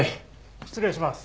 失礼します。